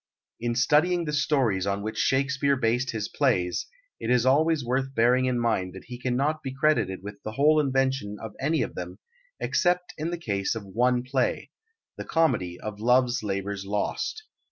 In studying the stories on which Shakespeare based his plays, it is always worth bearing in mind that he cannot be credited with the whole invention of any of them, except in the case of one play the comedy of Love's Labour's Lost.